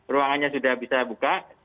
ruangannya sudah bisa buka